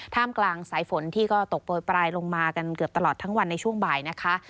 กลางสายฝนที่ก็ตกโปรยปลายลงมากันเกือบตลอดทั้งวันในช่วงบ่ายนะคะ